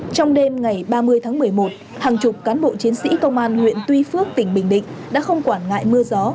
trong đêm ngày ba mươi tháng một mươi một hàng chục cán bộ chiến sĩ công an huyện tuy phước tỉnh bình định đã không quản ngại mưa gió